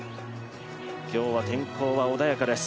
今日は天候は穏やかです。